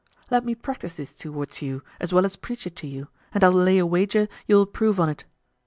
Let me practise this towards you as well as preach it to you, and I'll lay a wager you will approve on't.